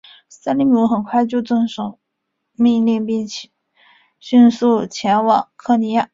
塞利姆很快就遵从命令并迅速前往科尼亚。